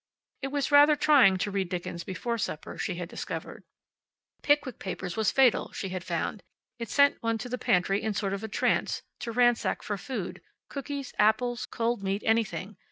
It was rather trying to read Dickens before supper, she had discovered. Pickwick Papers was fatal, she had found. It sent one to the pantry in a sort of trance, to ransack for food cookies, apples, cold meat, anything.